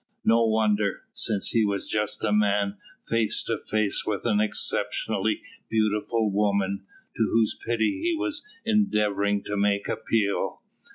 No wonder! since he was just a man face to face with an exceptionally beautiful woman, to whose pity he was endeavouring to make appeal.